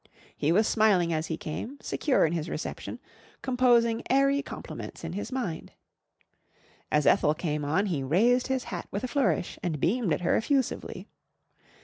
He was smiling as he came, secure in his reception, composing airy compliments in his mind. As Ethel came on he raised his hat with a flourish and beamed at her effusively.